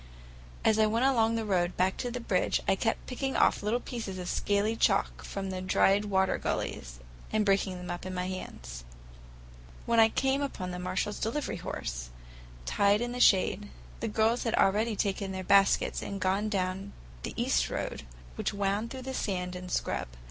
As I went along the road back to the bridge I kept picking off little pieces of scaly chalk from the dried water gullies, and breaking them up in my hands. When I came upon the Marshalls' delivery horse, tied in the shade, the girls had already taken their baskets and gone down the east road which wound through the sand and scrub.